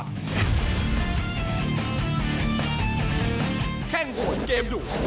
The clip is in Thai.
สวัสดีครับ